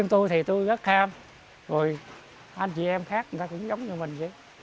tôi thì tôi rất kham rồi anh chị em khác người ta cũng giống như mình vậy